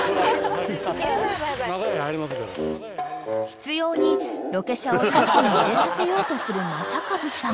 ［執拗にロケ車を車庫に入れさせようとする正和さん］